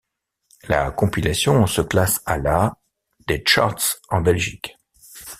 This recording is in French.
La compilation se classe à la des charts en Belgique.